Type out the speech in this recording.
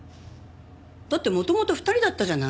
だって元々２人だったじゃない。